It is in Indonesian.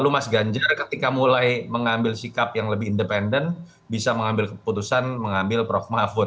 mas ganjar ketika mulai mengambil sikap yang lebih independen bisa mengambil keputusan mengambil prof mahfud